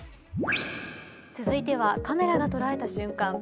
続いては、カメラが捉えた瞬間。